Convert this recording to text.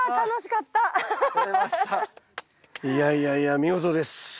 いやいやいや見事です。